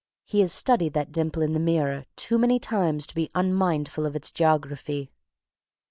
He has studied that dimple in the mirror too many times to be unmindful of its geography.